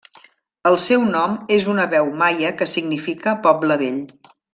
El seu nom és una veu maia que significa 'Poble vell'.